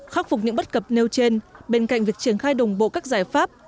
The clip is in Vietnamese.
khắc phục những bất cập nêu trên bên cạnh việc triển khai đồng bộ các giải pháp